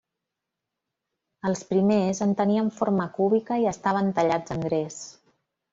Els primers en tenien forma cúbica i estaven tallats en gres.